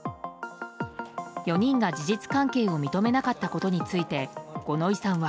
４人が事実関係を認めなかったことについて五ノ井さんは。